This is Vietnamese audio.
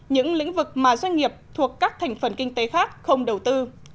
những lĩnh vực mà doanh nghiệp thuộc các thành phần kinh tế khác không đầu tư